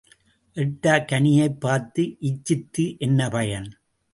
எட்டாக் கனியைப் பார்த்து இச்சித்து என்ன பயன்?